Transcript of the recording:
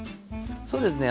そうですね